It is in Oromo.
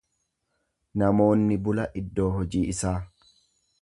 Namoonni bula iddoo hojii isaa.